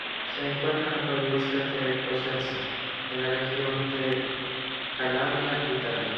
Se encuentra en la provincia de Cosenza en la región de Calabria, Italia.